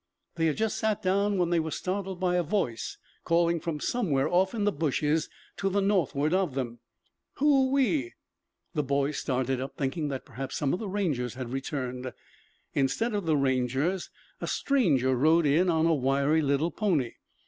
They had just sat down when they were startled by a voice calling from somewhere off in the bushes to the northward of them. "Hoo ee!" The boys started up, thinking that perhaps some of the Rangers had returned. Instead of the Rangers a stranger rode in on a wiry little pony.